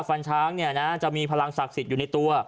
ฟันช้างเนี่ยนะจะมีพลังศักดิ์สิทธิ์อยู่ในตัว